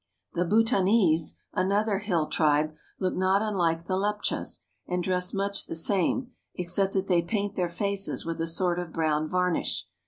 The Bhutanese, another hill tribe, look not unlike the Leptchas, and dress much the same, except that they paint their faces with a sort of brown varnish.